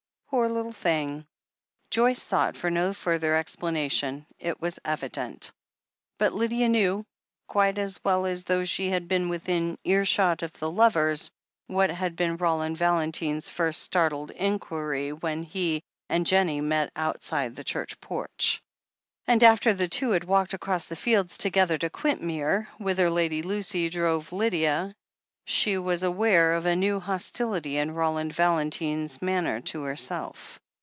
"Poor little thing!" Joyce sought for no further explanation, li was evident. But Lydia knew, quite as well as though she had been within earshot of the lovers, what had been Roland Valentine's first startled inquiry when he and Jennie met outside the church porch. And after the two had walked across the fields to gether to Quintmere, whither Lady Lucy drove Lydia, she was aware of a new hostility in Roland Valentine's manner to herself.